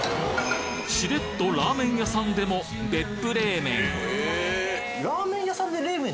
しれっとラーメン屋さんでも別府冷麺